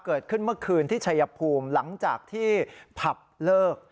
เกิดขึ้นเมื่อคืนที่ชัยภูมิหลังจากที่ผับเลิก